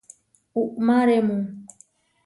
Uʼmáremu.